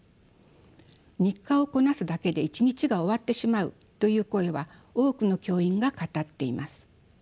日課をこなすだけで一日が終わってしまうという声は多くの教員が語っています。